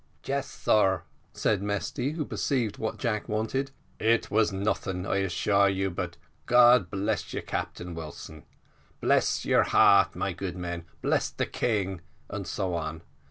"Yes, sir," said Mesty, who perceived what Jack wanted; "it was nothing, I assure you, but `God bless you, Captain Wilson! Bless your heart, my good men! Bless the king!' and so on.